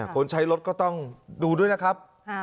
คนใช้รถก็ต้องดูด้วยนะครับ